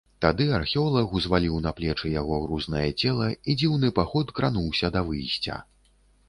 Тады археолаг узваліў на плечы яго грузнае цела, і дзіўны паход крануўся да выйсця.